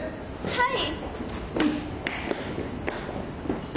はい！